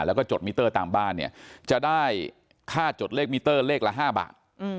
แล้วก็จดมิเตอร์ตามบ้านเนี่ยจะได้ค่าจดเลขมิเตอร์เลขละ๕บาท